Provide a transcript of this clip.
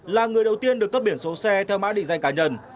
là người đầu tiên được cấp biển số xe theo mã số định danh